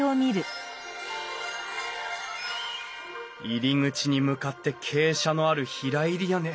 入り口に向かって傾斜のある平入り屋根。